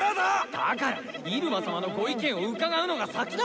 だから入間様のご意見を伺うのが先だ！